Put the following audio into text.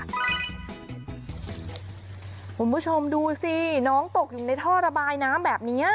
คุณผู้ชมดูสิน้องตกอยู่ในท่อระบายน้ำแบบนี้